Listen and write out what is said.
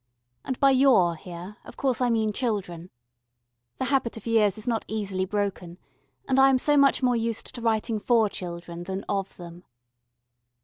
And by "your," here, of course I mean children. The habit of years is not easily broken, and I am so much more used to writing for children than of them.